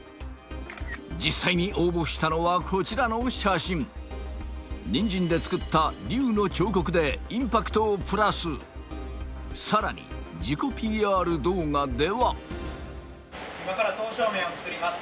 実際に応募したのはこちらの写真ニンジンで作った竜の彫刻でインパクトをプラスさらに自己ＰＲ動画では今から刀削麺を作ります